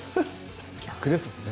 逆ですもんね。